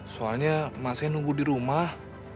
soalnya masnya nunggu di rumah